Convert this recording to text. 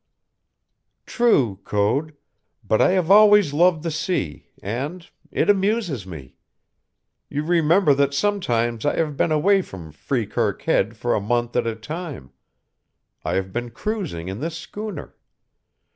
"True, Code; but I have always loved the sea, and it amuses me. You remember that sometimes I have been away from Freekirk Head for a month at a time. I have been cruising in this schooner.